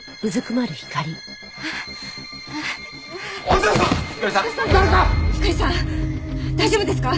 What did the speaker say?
大丈夫ですか！？